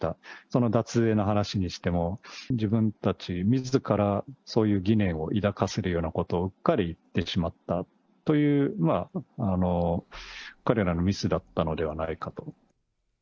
その脱税の話にしても、自分たちみずからそういう疑念を抱かせるようなことをうっかり言ってしまったという、まあ彼らのミスだったのではないかと。